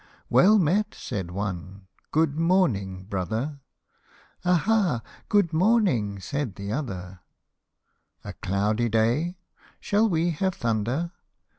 " Well met," said one, f( good morning, brother ! te Aha ! good morning," said the other ;" A cloudy day shall we have thunder